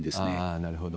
なるほど。